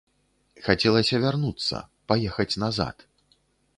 Хацелася вярнуцца, паехаць назад.